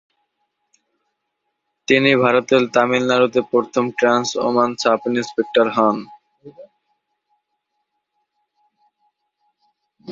তিনি ভারতের তামিলনাড়ুতে প্রথম ট্রান্স ওম্যান সাব-ইন্সপেক্টর হন।